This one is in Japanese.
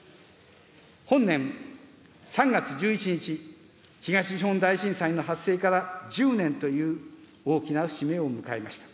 本年３月１１日、東日本大震災の発生から１０年という大きな節目を迎えました。